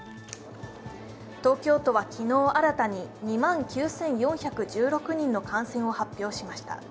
東京都は昨日、新たに２万９４１６人の感染を発表しました。